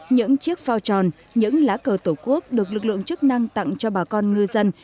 những chiếc phao tròn những lá cờ tổ quốc được lực lượng chức năng tặng cho bà con ngư dân